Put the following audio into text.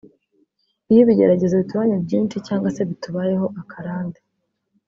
iyo ibigeragezo bitubanye byinshi cyangwa se bitubayeho akarande